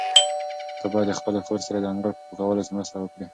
ته باید د خپلې خور سره د انګړ په پاکولو کې مرسته وکړې.